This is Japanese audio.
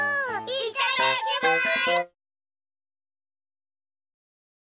いっただっきます！